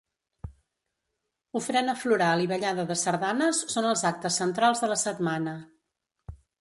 Ofrena floral i ballada de sardanes són els actes centrals de la setmana.